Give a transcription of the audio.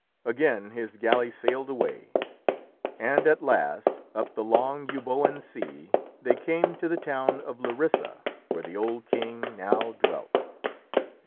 Again his galley sailed away, and at last, up the long Eubœan Sea they came to the town of Larissa, where the old king now dwelt.